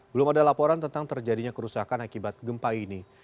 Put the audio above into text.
belum ada laporan tentang terjadinya kerusakan akibat gempa ini